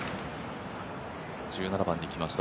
１７番にきました、